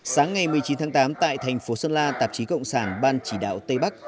sáng ngày một mươi chín tháng tám tại thành phố sơn la tạp chí cộng sản ban chỉ đạo tây bắc